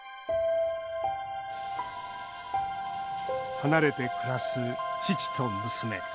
離れて暮らす父と娘。